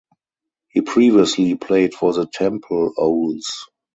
He previously played for the Temple Owls.